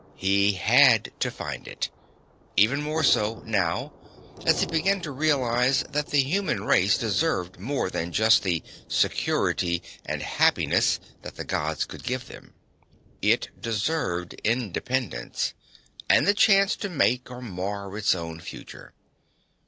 He had to find it even more so, now, as he began to realize that the human race deserved more than just the "security" and "happiness" that the Gods could give them. It deserved independence, and the chance to make or mar its own future.